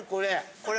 これ。